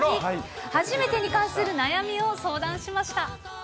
はじめてに関する悩みを相談しま